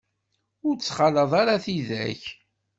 Ur ttxalaḍ ara tidak.